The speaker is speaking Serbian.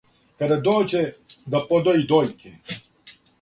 "Када дође, да подоји дојке!"